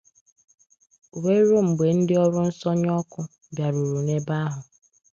wee ruo mgbe ndị ọrụ nsọnyụ ọkụ bịaruru n'ebe ahụ.